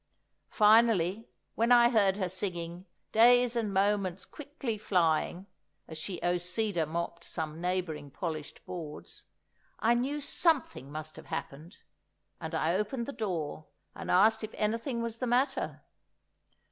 Finally, when I heard her singing "Days and moments quickly flying" as she O cedar mopped some neighbouring polished boards, I knew something must have happened, and I opened the door and asked if anything was the matter?